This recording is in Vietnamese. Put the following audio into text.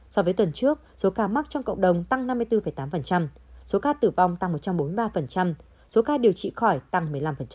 so với tuần trước số ca mắc trong cộng đồng tăng năm mươi bốn tám số ca tử vong tăng một trăm bốn mươi ba số ca điều trị khỏi tăng một mươi năm